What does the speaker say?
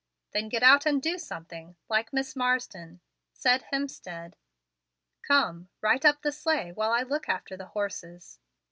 "Then get out and do something, like Miss Marsden," said Hemstead. "Come, right up the sleigh while I look after the horses."